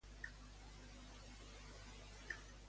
Per què es va sobtar Polidor?